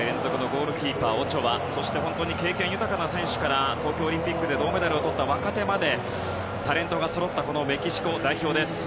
ゴールキーパーのオチョアそして、経験豊かな選手から東京オリンピックで銅メダルをとった若手までタレントがそろったメキシコ代表です。